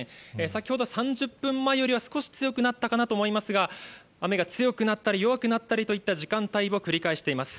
先ほど３０分前よりは、少し強くなったかなと思いますが、雨が強くなったり弱くなったりといった時間帯を繰り返しています。